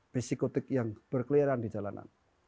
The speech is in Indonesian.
psikotik yang berkeliaran di jalanan